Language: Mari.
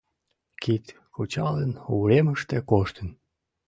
Кид кучалын, уремыште коштын